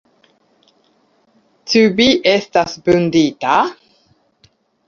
Ĉu Vi estas vundita?